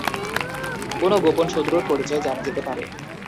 কোনো গোপন শত্রুর পরিচয় জানা যেতে পারে।